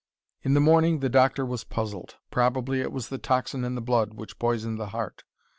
In the morning the doctor was puzzled. Probably it was the toxin in the blood which poisoned the heart.